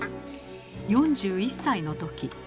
４１歳の時。